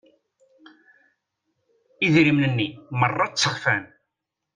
Idrimen-nni merra ttexfan.